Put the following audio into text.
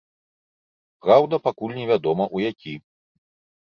Праўда, пакуль невядома, у які.